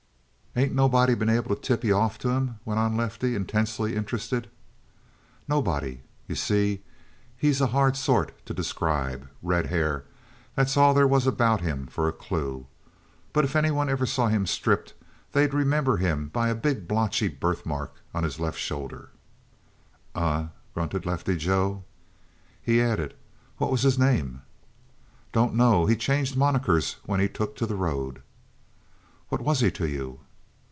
"Ain't nobody been able to tip you off to him?" went on Lefty, intensely interested. "Nobody. You see, he's a hard sort to describe. Red hair, that's all there was about him for a clue. But if any one ever saw him stripped they'd remember him by a big blotchy birthmark on his left shoulder." "Eh?" grunted Lefty Joe. He added: "What was his name?" "Don't know. He changed monikers when he took to the road." "What was he to you?"